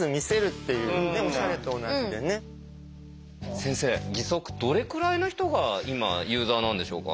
先生義足どれくらいの人が今ユーザーなんでしょうか？